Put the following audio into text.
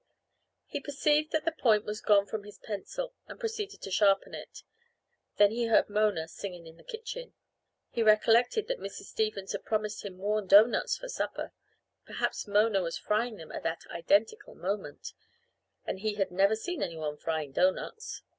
He perceived that the point was gone from his pencil, and proceeded to sharpen it. Then he heard Mona singing in the kitchen, and recollected that Mrs. Stevens had promised him warm doughnuts for supper. Perhaps Mona was frying them at that identical moment and he had never seen anyone frying doughnuts.